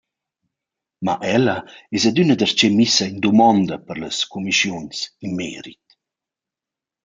Ma ella es adüna darcheu missa in dumanda par las cumischiuns in merit.